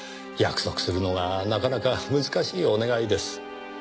約束するのがなかなか難しいお願いです。